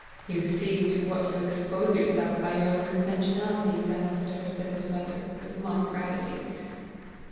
'" "You see to what you expose yourself by your unconventionalities, Alister!" said his brother, with mock gravity.